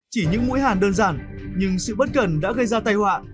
chỉ những mũi hàn đơn giản nhưng sự bất cần đã gây ra tay hoạ